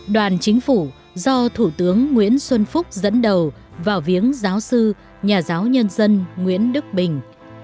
đoàn chính phủ do thủ tướng nguyễn xuân phúc dẫn đầu vào viếng giáo sư nhà giáo nhân dân nguyễn đức bình